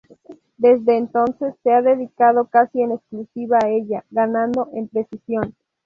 Desde entonces se ha dedicado casi en exclusiva a ella, ganando en precisión.